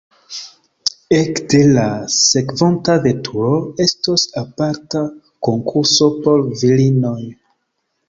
Ekde la sekvonta veturo estos aparta konkurso por virinoj.